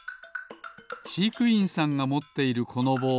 しいくいんさんがもっているこのぼう。